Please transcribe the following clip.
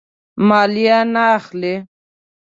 مالیه نه اخلي.